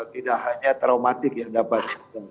tidak hanya traumatik yang dapat